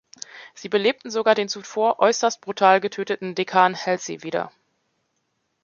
Sie beleben sogar den zuvor äußerst brutal getöteten Dekan Halsey wieder.